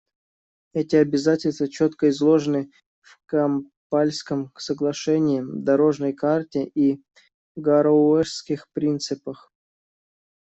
Эти обязательства четко изложены в Кампальском соглашении, «дорожной карте» и «Гароуэсских принципах».